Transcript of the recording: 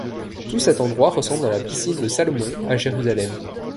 Tout cet endroit ressemble à la piscine de Salomon à Jérusalem.